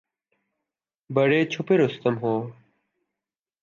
بڑے چھپے رستم ہو